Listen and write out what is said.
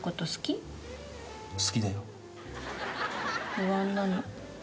不安なの。